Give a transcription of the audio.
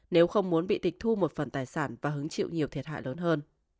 nếu không muốn bị tịch thu một phần tài sản và hứng chịu nhiều thiệt hại lớn hơn